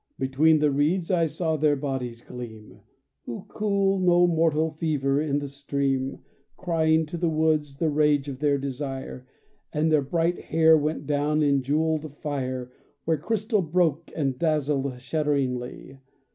_Between the reeds I saw their bodies gleam Who cool no mortal fever in the stream Crying to the woods the rage of their desire: And their bright hair went down in jewelled fire Where crystal broke and dazzled shudderingly.